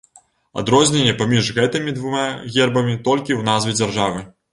Адрозненне паміж гэтымі двума гербамі толькі ў назве дзяржавы.